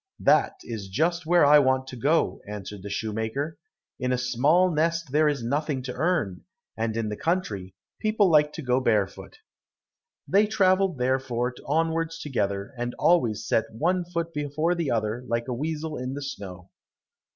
"That is just where I want to go," answered the shoemaker. "In a small nest there is nothing to earn, and in the country, people like to go barefoot." They travelled therefore onwards together, and always set one foot before the other like a weasel in the snow.